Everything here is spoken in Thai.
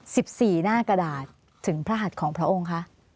สิบสี่หน้ากระดาษถึงพระหัสของพระองค์คะ